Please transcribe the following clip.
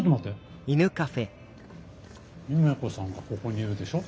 夢子さんがここにいるでしょ？